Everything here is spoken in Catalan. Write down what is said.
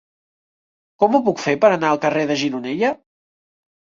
Com ho puc fer per anar al carrer de Gironella?